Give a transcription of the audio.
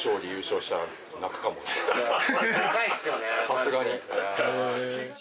さすがに。